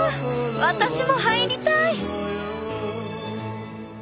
私も入りたい！